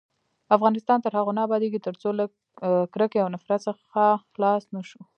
افغانستان تر هغو نه ابادیږي، ترڅو له کرکې او نفرت څخه خلاص نشو.